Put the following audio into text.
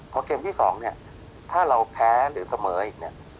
พอเกมที่๒เนี่ยถ้าเราแพ้หรือเสมออีกเนี่ย